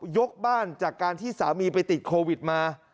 ยกบ้านจากการที่สามีไปติดโควิดมา